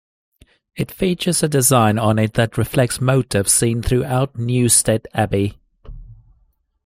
It features a design on it that reflects motifs seen throughout Newstead Abbey.